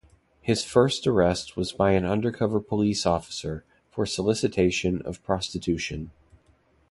His first arrest was by an undercover police officer, for solicitation of prostitution.